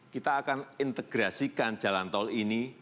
kita akan integrasikan jalan tol ini